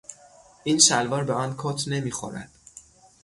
این شلوار به آن کت نمیخورد.